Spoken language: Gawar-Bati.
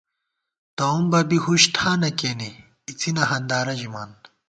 تَؤم بہ بی ہُش ٹھانہ کېنے ، اِڅِنہ ہندارہ ژِمان